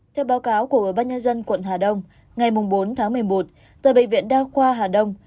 theo báo cáo của bác nhân dân quận hà đông ngày bốn tháng một mươi một tại bệnh viện đa khoa hà đông